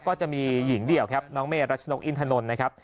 ก็จะมีหญิงเดี่ยวครับน้องเมรัชนกอินทนนท์นะครับ